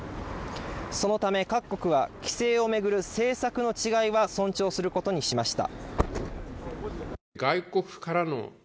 そのため各国は、規制を巡る政策の違いは尊重することにしました。